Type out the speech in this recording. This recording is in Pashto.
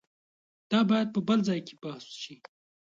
دا باید په بل ځای کې بحث شي.